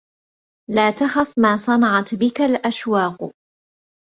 لا تخف ما صنعت بك الأشواق